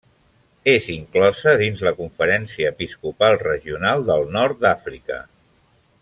És inclosa dins la Conferència Episcopal Regional del Nord d'Àfrica.